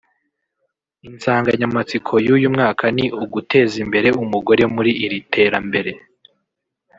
Insinganyamatsiko y’uyu mwaka ni uguteza imbere umugore muri iri terambere